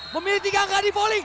memiliki gangga di bowling